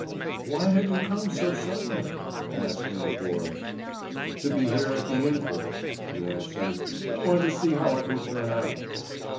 "Why have you come so suddenly?" asked Ingeborg. "To be here at the inquiry," he answered. "I want to see how it will turn out."